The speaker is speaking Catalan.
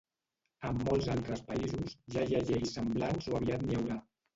En molts altres països ja hi ha lleis semblants o aviat n'hi haurà.